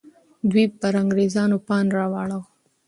دوی به پر انګریزانو پاڼ را اړوه.